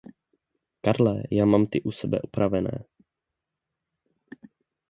Karle, já mám ty u sebe opravené.